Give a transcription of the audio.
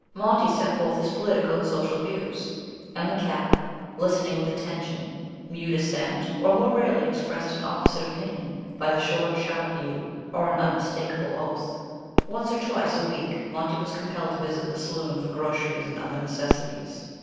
Monty set forth his political and social views, and the cat, listening with attention, mewed assent, or more rarely expressed an opposite opinion by the short, sharp mew, or an unmistakable oath. Once or twice a week Monty was compelled to visit the saloon for groceries and other necessities.